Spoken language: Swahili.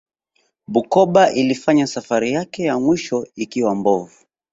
bukoba ilifanya safari yake ya mwisho ikiwa mbovu